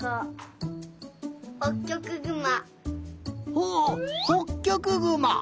ほうほっきょくぐま！